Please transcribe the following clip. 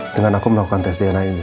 dengan aku melakukan tes dna ini